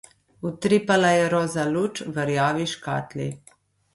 Utripala je roza luč v rjavi škatli.